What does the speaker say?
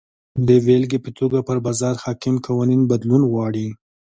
د بېلګې په توګه پر بازار حاکم قوانین بدلون غواړي.